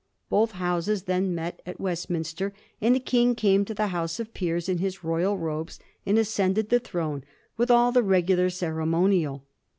Both Houses then met at Westminster, and the King came to the House of Peers in his royal robes and ascended the throne with all the regular ceremonial.